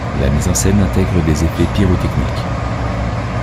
La mise en scène intègre des effets pyrotechniques.